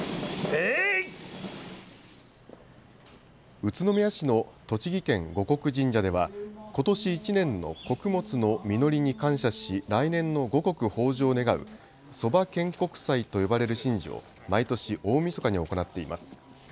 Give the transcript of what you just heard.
宇都宮市の栃木県護国神社では、ことし１年の穀物の実りに感謝し、来年の五穀豊じょうを願うそば献穀祭と呼ばれる神事を毎年大みそかに行っています。